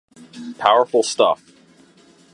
Powerful stuff.